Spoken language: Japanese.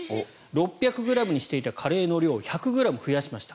６００ｇにしていたカレーの量を１００ｇ増やしました。